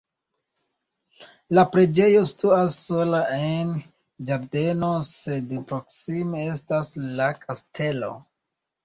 La preĝejo situas sola en ĝardeno, sed proksime estas la kastelo.